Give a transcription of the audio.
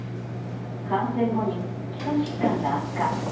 感染後に基礎疾患が悪化。